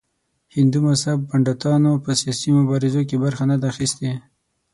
هندو مذهب پنډتانو په سیاسي مبارزو کې برخه نه ده اخیستې.